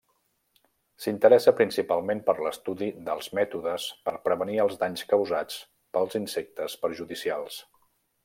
S'interessa principalment per l'estudi dels mètodes per prevenir els danys causats pels insectes perjudicials.